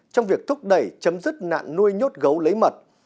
trong việc thúc đẩy chấm dứt nạn nuôi nhốt gấu lấy mật